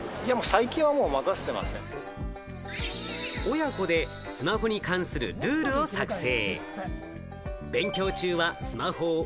親子でスマホに関するルールを作成。